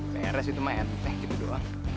peres itu me enteh gitu doang